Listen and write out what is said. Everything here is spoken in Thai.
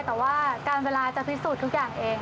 แต่ว่าการเวลาจะพิสูจน์ทุกอย่างเอง